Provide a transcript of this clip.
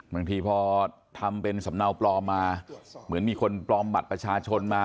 บางทีพอทำเป็นสำเนาปลอมมาเหมือนมีคนปลอมบัตรประชาชนมา